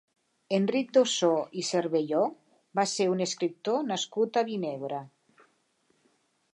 Enric d'Ossó i Cervelló va ser un escriptor nascut a Vinebre.